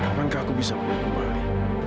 kapan kah aku bisa pulang kembali